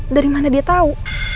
dari mana dia tau